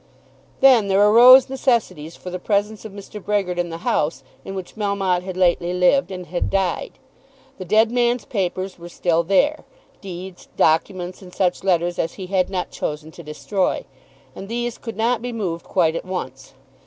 Then there arose necessities for the presence of Mr. Brehgert in the house in which Melmotte had lately lived and had died. The dead man's papers were still there, deeds, documents, and such letters as he had not chosen to destroy; and these could not be removed quite at once.